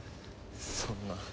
そんな。